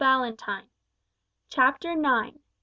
Ballantyne. CHAPTER NINE.